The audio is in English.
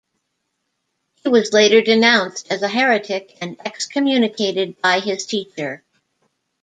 He was later denounced as a heretic and excommunicated by his teacher.